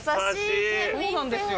そうなんですよ。